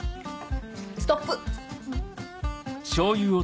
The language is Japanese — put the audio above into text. ストップ。